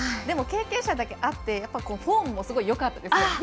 でも、経験者だけあってフォームもすごくよかったですよ。